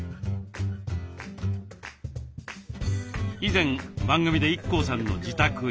以前番組でＩＫＫＯさんの自宅へ。